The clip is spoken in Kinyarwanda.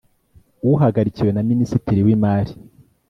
uhagarikiwe na Minisitiri w’Imari